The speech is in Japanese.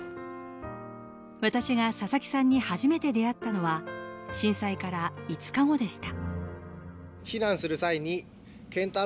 私が佐々木さんに初めて出会ったのは震災から５日後でした。